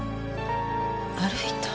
歩いた？